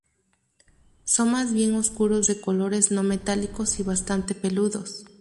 Son más bien oscuros de colores no metálicos y bastante peludos.